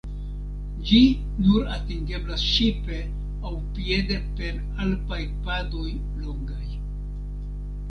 Ĝi nur atingeblas ŝipe aŭ piede per alpaj padoj longaj.